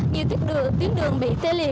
nhiều tiến đường bị tê liệt